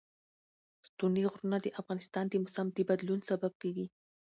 ستوني غرونه د افغانستان د موسم د بدلون سبب کېږي.